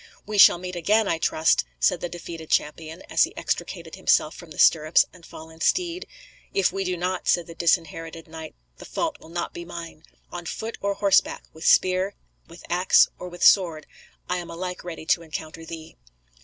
"We shall meet again, I trust," said the defeated champion, as he extricated himself from the stirrups and fallen steed. "If we do not," said the Disinherited Knight, "the fault will not be mine. On foot or horseback, with spear, with axe, or with sword, I am alike ready to encounter thee."